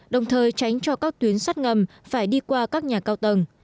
đồng thời tránh cho các tuyến sắt ngầm phải đi qua các nhà cao tầng